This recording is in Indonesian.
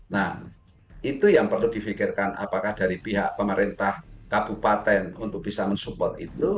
nah itu yang perlu difikirkan apakah dari pihak pemerintah kabupaten untuk bisa mensupport itu